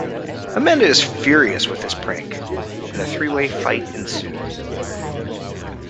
Amanda is furious with this prank, and a three-way fight ensues.